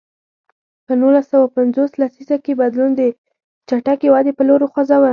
په نولس سوه پنځوس لسیزه کې بدلون د چټکې ودې په لور خوځاوه.